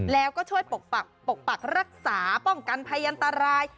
แล้วก็ช่วยปกปกปักรักษาป้องกันพยันตราย